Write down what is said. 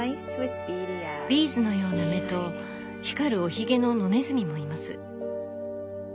「ビーズのような目と光るおひげの野ネズミもいます。